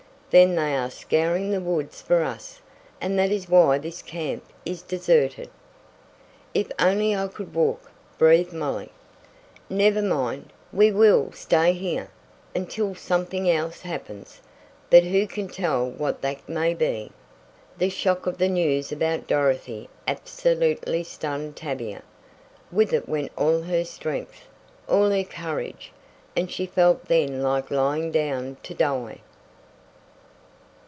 "Then they are scouring the woods for us, and that is why this camp is deserted!" "If only I could walk!" breathed Molly. "Never mind. We will stay here until something else happens but who can tell what that may be!" The shock of the news about Dorothy absolutely stunned Tavia. With it went all her strength, all her courage, and she felt then like lying down to die!